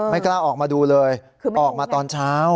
กล้าออกมาดูเลยออกมาตอนเช้า